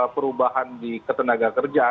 perubahan di ketenaga kerja